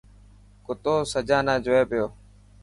ڪتو سجانا جوئي پيو.